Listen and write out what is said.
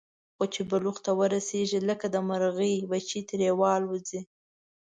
خو چې بلوغ ته ورسېږي، لکه د مرغۍ بچي ترې والوځي.